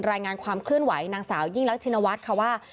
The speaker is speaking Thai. รายงานความขึ้นไหวหนังสาวยิ่งลักษณวตคะว่า